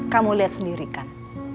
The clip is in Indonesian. kamu liat sendiri kan